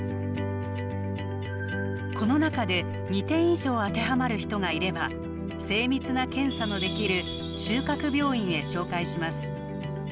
この中で２点以上当てはまる人がいれば精密な検査のできる中核病院へ紹介します。